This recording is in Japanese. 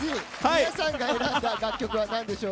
皆さんが選んだ楽曲は何でしょう。